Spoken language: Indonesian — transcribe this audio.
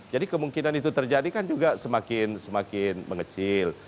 jadi kemungkinan itu terjadi kan juga semakin semakin mengecil